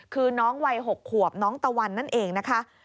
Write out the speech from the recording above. คือน้องวัย๖ขวบน้องตะวันนั่นเองนะคะ